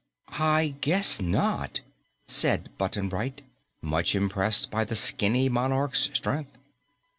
"I guess not," said Button Bright, much impressed by the skinny monarch's strength.